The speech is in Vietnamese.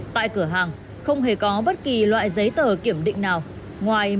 tại cửa hàng không hề có bất kỳ loại giấy tờ kiểm định nào